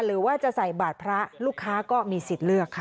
หรือว่าจะใส่บาทพระลูกค้าก็มีสิทธิ์เลือกค่ะ